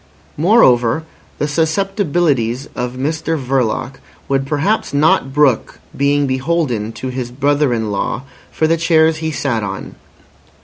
Moreover, the susceptibilities of Mr Verloc would perhaps not brook being beholden to his brother in law for the chairs he sat on.